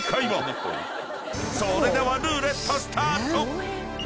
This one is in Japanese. ［それではルーレットスタート！］